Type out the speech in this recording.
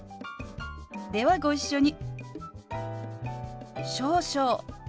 ではご一緒に。